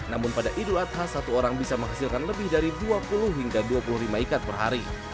namun pada idul adha satu orang bisa menghasilkan lebih dari dua puluh hingga dua puluh lima ikat per hari